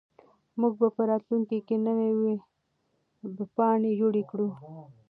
موږ به په راتلونکي کې نوې ویبپاڼې جوړې کړو.